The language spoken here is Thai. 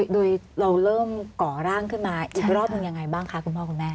โดยเราเริ่มก่อร่างขึ้นมาอีกรอบหนึ่งยังไงบ้างคะคุณพ่อคุณแม่